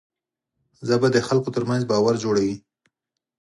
ژبه د خلکو ترمنځ باور جوړوي